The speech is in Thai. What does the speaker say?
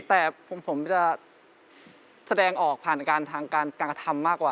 แต่ผมจะแสดงออกผ่านการทำมากกว่า